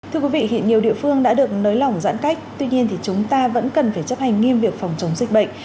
thưa quý vị hiện nhiều địa phương đã được nới lỏng giãn cách tuy nhiên thì chúng ta vẫn cần phải chấp hành nghiêm việc phòng chống dịch bệnh